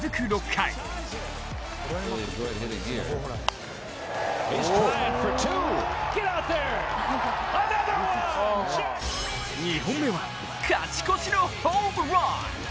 ６回２本目は勝ち越しのホームラン。